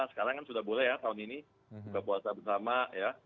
sekarang kan sudah boleh ya tahun ini buka puasa bersama ya